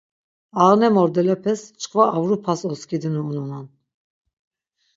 Ağne mordelepes çkva Avrupas oskidinu unonan.